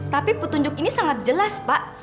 tapi petunjuk ini sangat jelas pak